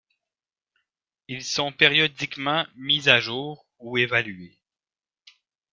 Ils sont périodiquement mis à jour ou évalués.